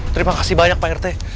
terima kasih banyak pak rt